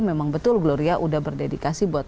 memang betul gloria udah berdedikasi buat